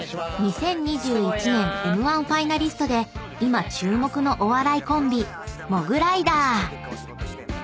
［２０２１年Ｍ−１ファイナリストで今注目のお笑いコンビモグライダー］